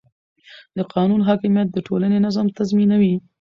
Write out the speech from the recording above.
د قانون حاکمیت د ټولنې نظم تضمینوي